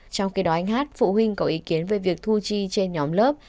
trong khi đó anh hát phụ huynh có ý kiến về việc thu chi trên nhóm lớp